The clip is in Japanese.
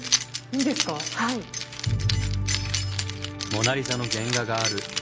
「モナ・リザ」の原画があるでも。